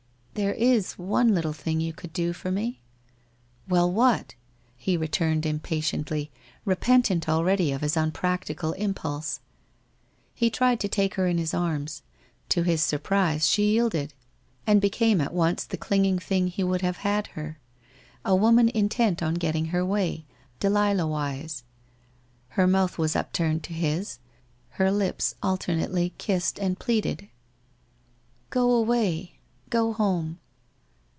* There is one little thing you could do for me.' ' Well, what ?' he returned impatiently, repentant al ready of his unpractical impulse. He tried to take her in his arms. To his surprise she yielded and became at once the clinging thing he would have had her — a woman intent on getting her way, Delilah wise. Her mouth was up turned to his, her lips alternately kissed and pleaded. ' Go away — go home.'